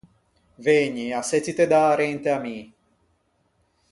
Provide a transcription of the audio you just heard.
Vëgni, assettite da arente à mi.